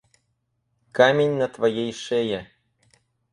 Камень на твоей шее.